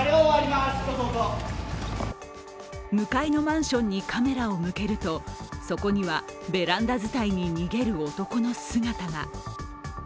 向かいのマンションにカメラを向けると、そこには、ベランダ伝いに逃げる男の姿が。